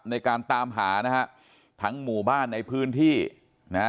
ในการตามหานะฮะทั้งหมู่บ้านในพื้นที่นะฮะ